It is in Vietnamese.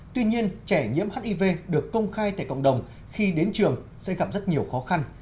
tuy nhiên trẻ nhiễm hiv được công khai tại cộng đồng khi đến trường sẽ gặp rất nhiều khó khăn